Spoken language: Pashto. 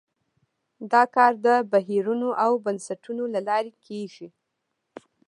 دا کار د بهیرونو او بنسټونو له لارې کیږي.